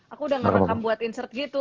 aku udah ngerekam buat insert gitu